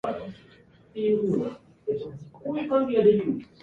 Many pupils go through all three schools in the campus.